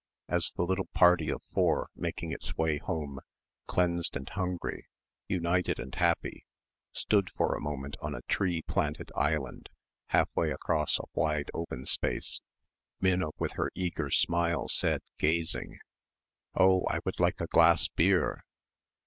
As the little party of four making its way home, cleansed and hungry, united and happy, stood for a moment on a tree planted island half way across a wide open space, Minna with her eager smile said, gazing, "Oh, I would like a glass Bier."